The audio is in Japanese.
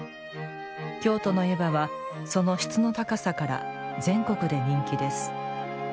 京都の湯葉は、その質の高さから全国で人気です。